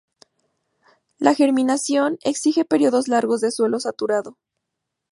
La germinación exige periodos largos de suelo saturado.